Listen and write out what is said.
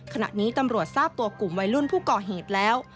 ขณะนี้ตำรวจทราบตัวกลุ่มวัยรุ่นผู้ก่อเหตุแล้ว